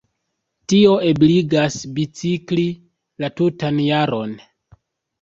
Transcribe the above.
Tio ebligas bicikli la tutan jaron.